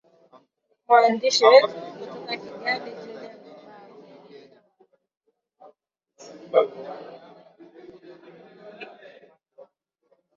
mwandishi wetu kutoka kigali julian rubavu